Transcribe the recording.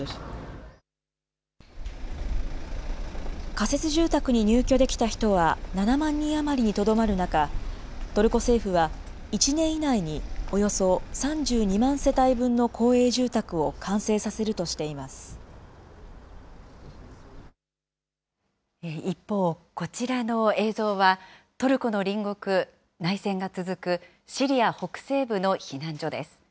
仮設住宅に入居できた人は７万人余りにとどまる中、トルコ政府は１年以内におよそ３２万世帯分の公営住宅を完成させ一方、こちらの映像は、トルコの隣国、内戦が続くシリア北西部の避難所です。